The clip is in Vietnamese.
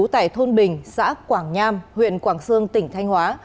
tại thôn bình xã quảng nham huyện quảng sương tỉnh thanh hóa